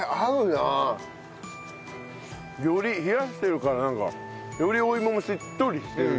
より冷やしてるからなんかよりお芋もしっとりしてる。